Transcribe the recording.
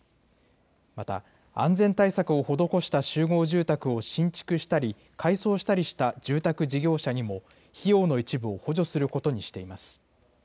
また、安全対策を施した集合住宅を新築したり、改装したりした住宅事業者にも、費用の一部を補助することにしています。